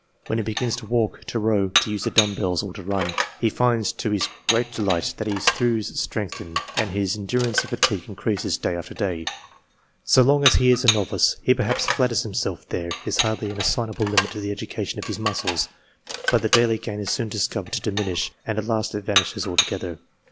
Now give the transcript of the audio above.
When he begins to walk, to row, to use the dumb bells, ACCORDING TO THEIR NATURAL GIFTS 13 or to run, he finds to his great delight that his thews strengthen, and his endurance of fatigue increases day after day. So long as he is a novice, he perhaps flatters himself there is hardly an assignable limit to the education of his muscles ; but the daily gain is soon discovered to diminish, and at last it vanishes altogether.